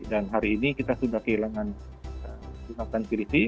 dan hari ini kita sudah kehilangan jonathan srivi